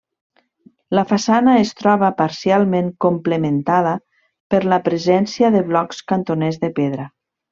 La façana es troba parcialment complementada per la presència de blocs cantoners de pedra.